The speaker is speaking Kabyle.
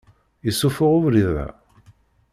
Issufuɣ ubrid-a?